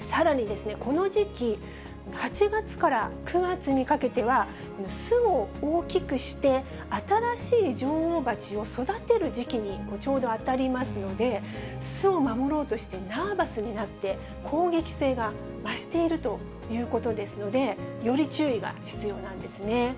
さらに、この時期、８月から９月にかけては、巣を大きくして、新しい女王蜂を育てる時期にちょうど当たりますので、巣を守ろうとしてナーバスになって、攻撃性が増しているということですので、より注意が必要なんですね。